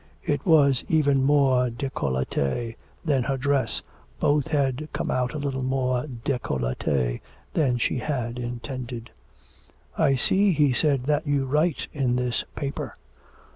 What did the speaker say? It was even more decolletee than her dress, both had come out a little more decolletee than she had intended. 'I see,' he said, 'that you write in this paper.'